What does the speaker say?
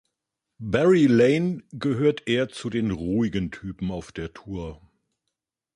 Barry Lane gehört eher zu den ruhigen Typen auf der Tour.